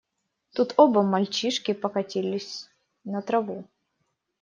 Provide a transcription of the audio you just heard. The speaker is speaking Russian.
Тут оба мальчишки покатились на траву.